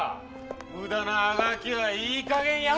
無駄なあがきはいいかげんやめろ！